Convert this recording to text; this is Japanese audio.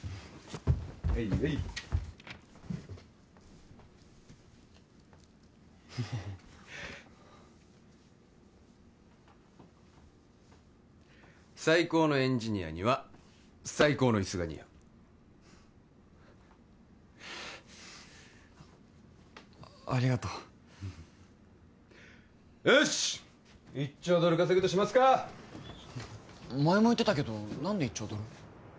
はいはい最高のエンジニアには最高のイスが似合うありがとうよしっ１兆ドル稼ぐとしますか前も言ってたけど何で１兆ドル？